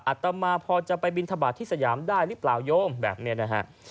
อตมาพอจะไปบินทบาทที่สยามได้หรือเปล่าโยมแบบนี้นะฮะ